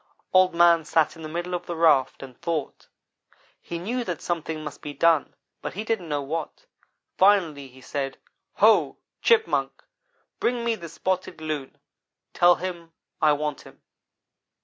"Old man sat in the middle of the raft and thought. He knew that something must be done, but he didn't know what. Finally he said: 'Ho! Chipmunk, bring me the Spotted Loon. Tell him I want him.'